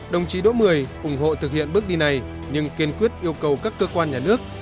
đồng chí đỗ mười ủng hộ thực hiện bước đi này nhưng kiên quyết yêu cầu các cơ quan nhà nước